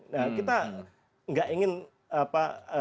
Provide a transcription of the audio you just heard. nah kita enggak ingin mencari informasi yang tidak jelas